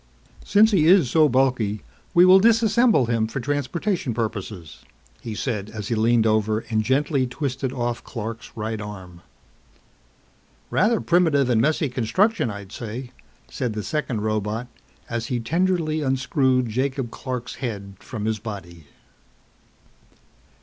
"Since he is so bulky, we will disassemble him for transportation purposes," he said as he leaned over and gently twisted off Clark's right arm. "Rather primitive and messy construction, I'd say," said the second robot as he tenderly unscrewed Jacob Clark's head from his body.